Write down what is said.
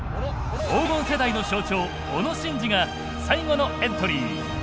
黄金世代の象徴小野伸二が最後のエントリー。